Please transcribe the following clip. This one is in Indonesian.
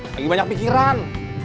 lagi banyak pikiran